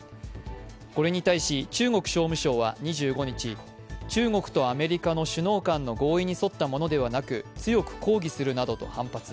これに対し中国商務省は２５日、中国とアメリカの首脳間の合意に沿ったものではなく強く抗議するなどと反発。